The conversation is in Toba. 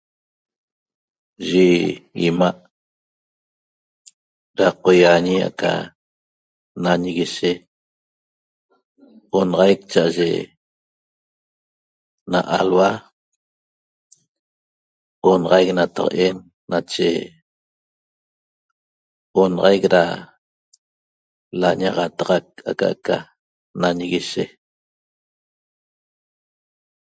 Yi 'ima' da qoýaañi aca nanguishe onaxaic cha'aye na alhua onaxaic nataq'en nache onaxaic da lañaxataxac aca'aca nanguishe